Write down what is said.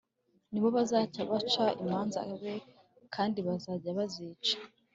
Ni bo bazajya baca imanza b kandi bazajya bazica